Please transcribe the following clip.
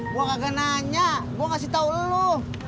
gue kagak nanya gue kasih tau lo